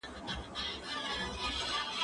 کېدای سي کتابونه ستړي وي،